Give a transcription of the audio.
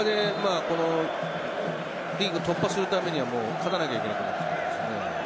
リーグ突破するためには勝たなきゃいけない。